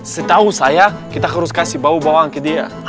setahu saya kita harus kasih bau bawang ke dia